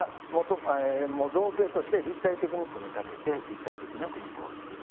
造形として立体的に組み立てて立体的な組子を作る。